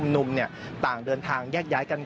มาดูบรรจากาศมาดูความเคลื่อนไหวที่บริเวณหน้าสูตรการค้า